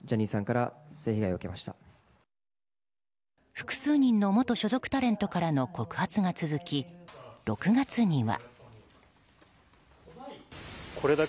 複数人の元所属タレントからの告発が続き６月には。